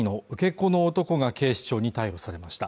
子の男が警視庁に逮捕されました。